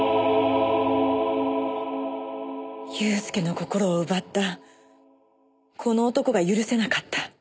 祐介の心を奪ったこの男が許せなかった。